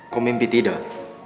kok mimpi tidak